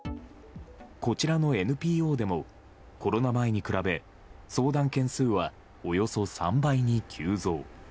こちらのＮＰＯでも、コロナ前に比べ、相談件数はおよそ３倍に急増。